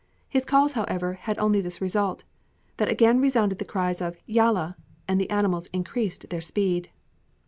His calls, however, had only this result: that again resounded the cries of "Yalla," and the animals increased their speed.